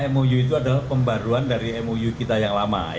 mou itu adalah pembaruan dari mou kita yang lama